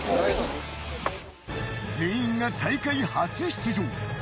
全員が大会初出場。